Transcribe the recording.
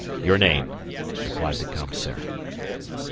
"Your name?" replied the commissary.